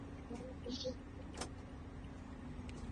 picha ya viatu vyake aina ya Nike Air Mag ambavyo jozi hiyo alinunua kwa